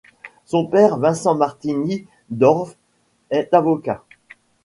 Son père Vincent Martini d'Orves, est avocat.